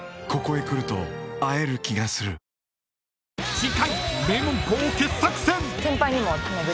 ［次回］